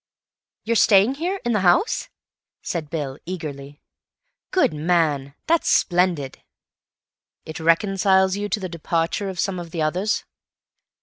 "You're staying here, in the house?" said Bill eagerly. "Good man. That's splendid." "It reconciles you to the departure of—some of the others?"